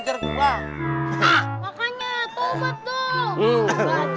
ternyata ngejar ngejar omcik terus